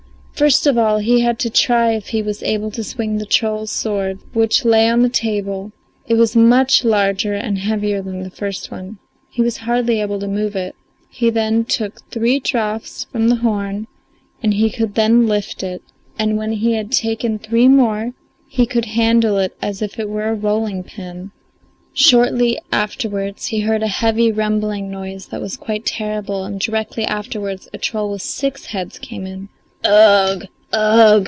First of all he had to try if he was able to swing the troll's sword, which lay on the table; it was much larger and heavier than the first one; he was hardly able to move it. He then took three draughts from the horn and he could then lift it, and when he had taken three more he could handle it as if it were a rolling pin. Shortly afterwards he heard a heavy, rumbling noise that was quite terrible, and directly afterwards a troll with six heads came in. "Ugh, ugh!"